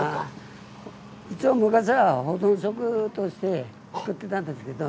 一応昔は保存食として作ってたんですけど。